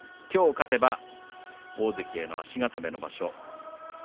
きょう勝てば大関への足固めの場所。